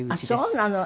そうなの？